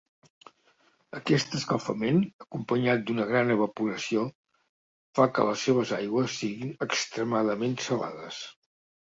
Aquest escalfament, acompanyat d'una gran evaporació, fa que les seves aigües siguin extremadament salades.